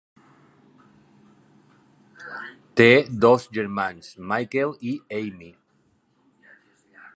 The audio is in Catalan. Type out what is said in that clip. Té dos germans, Michael i Amy.